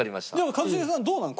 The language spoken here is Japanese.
一茂さんどうなの？